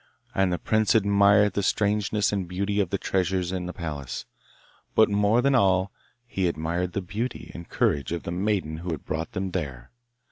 And the prince admired the strangeness and beauty of the treasures in the palace, but more than all he admired the beauty and courage of the maiden who had brought them there.